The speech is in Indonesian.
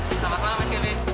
selamat malam mas kevin